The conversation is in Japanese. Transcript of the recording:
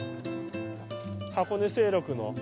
箱根西麓の。